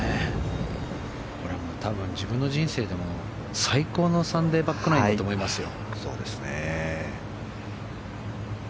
これは多分自分の人生でも最高のサンデーバックナインだと思いますよ。